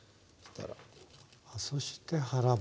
そして腹骨。